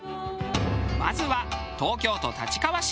まずは東京都立川市